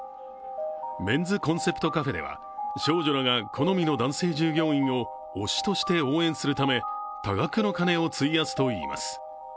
メンズコンセプトカフェでは少女らが好みの男性従業員を推しとして応援するため、多額の金を費やすといいます。